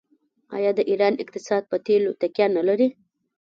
آیا د ایران اقتصاد په تیلو تکیه نلري؟